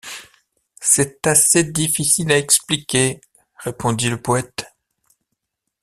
C’est assez difficile à expliquer, répondit le poëte.